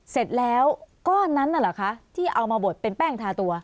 เสร็จแล้วก้อนนั้นน่ะเหรอคะที่เอามาบดเป็นแป้งทาตัว